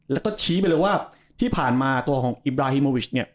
แล้วก็ชี้ไปเลยว่าที่ผ่านมาตัวของอิบราฮิโมวิชเนี่ย